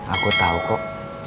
aku tau kok